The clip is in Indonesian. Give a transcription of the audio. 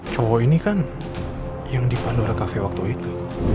cowok ini kan yang dipandora kafe waktu itu